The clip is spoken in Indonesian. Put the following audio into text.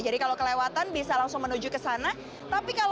jadi kalau kelewatan bisa langsung menuju ke sana